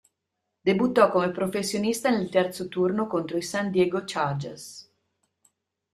Debuttò come professionista nel terzo turno contro i San Diego Chargers.